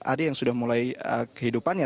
ada yang sudah mulai kehidupannya